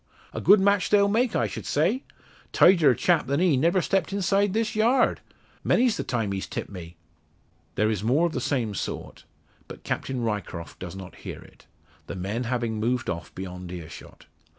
"A good match they'll make, I sh'd say. Tidier chap than he never stepped inside this yard. Many's the time he's tipped me." There is more of the same sort, but Captain Ryecroft does not hear it; the men having moved off beyond earshot.